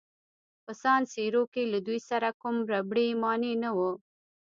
په سان سیرو کې له دوی سره کوم ربړي مانع نه وو.